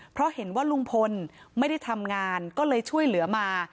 เพราะเห็นว่าลุงพลไม่ได้ทำงานก็เลยช่วยเหลือมา